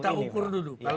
kita kukur dulu